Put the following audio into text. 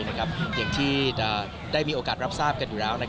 อย่างที่จะได้มีโอกาสรับทราบกันอยู่แล้ว